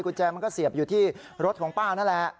คุณแจมันก็เสียบอยู่ที่รถของป้านั่นแหละ